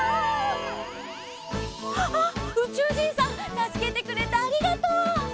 「あうちゅうじんさんたすけてくれてありがとう」